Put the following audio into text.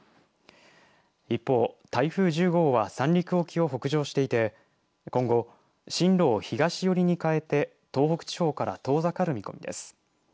一方台風１０号は三陸沖を北上していて今後進路を東寄りに変えて東北地方から遠ざかる見込みです。